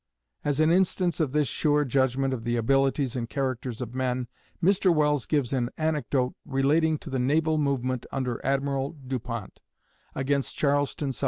As an instance of this sure judgment of the abilities and characters of men, Mr. Welles gives an anecdote relating to the naval movement under Admiral Du Pont, against Charleston, S.C.